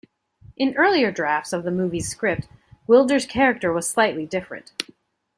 In earlier drafts of the movie's script, Gwildor's character was slightly different.